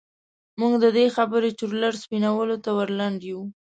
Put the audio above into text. موږ د دې خبرې چورلټ سپينولو ته ور لنډ يوو.